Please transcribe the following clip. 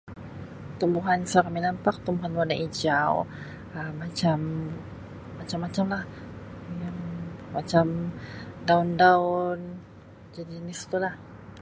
Tumbuhan selalu kami nampak tumbuhan warna hijau Um macam macam-macam lah yang macam daun daun jenis jenis tu lah.